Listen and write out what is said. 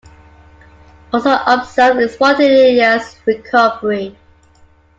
Also observed is spontaneous recovery.